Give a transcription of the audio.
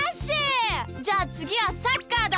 じゃあつぎはサッカーだ！